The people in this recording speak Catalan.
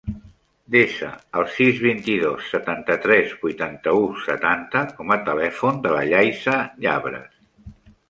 Desa el sis, vint-i-dos, setanta-tres, vuitanta-u, setanta com a telèfon de la Yaiza Llabres.